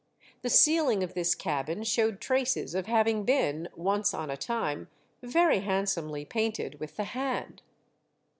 The ceiling of this cabin showed traces of having been, once on a time, very handsomely painted with the hand.